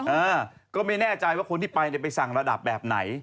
เออก็ไม่แน่ใจว่าคนที่ไปเนี่ยไปสั่งระดับแบบไหน